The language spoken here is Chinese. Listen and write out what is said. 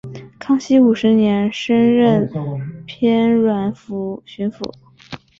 康熙五十年升任偏沅巡抚。